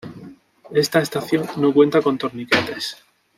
Esta estación no cuenta con torniquetes.